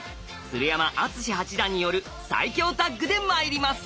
鶴山淳志八段による最強タッグでまいります！